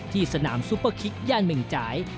ที่สนามซุปเปอร์คิกย่านเม่งจ่าย